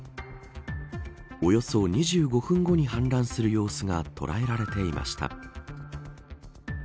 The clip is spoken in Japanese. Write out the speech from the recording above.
およそ２５分後に氾濫する様子が捉えられていました。